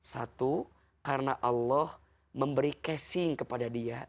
satu karena allah memberi casing kepada dia